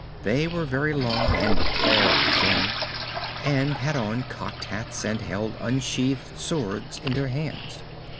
They were very long and very thin, and had on cocked hats, and held unsheathed swords in their hands.